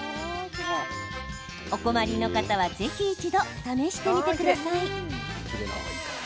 お困りの方はぜひ一度、試してみてください。